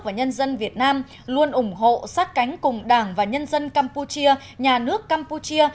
và nhân dân việt nam luôn ủng hộ sát cánh cùng đảng và nhân dân campuchia nhà nước campuchia